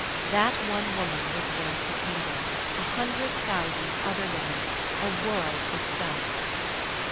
That one woman was worth a kingdom, a hundred thousand other women, a world itself.